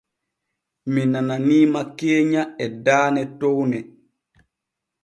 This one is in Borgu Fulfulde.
Mi nananiima keenya e daane towne.